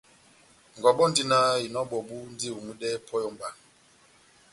Ngɔbɔ endi náh: Inɔ ebɔbu ndi eyomwidɛ pɔhɛ ó mbana